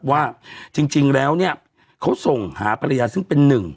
ว่าจริงแล้วเนี่ยเขาส่งหาภรรยาซึ่งเป็นหนึ่ง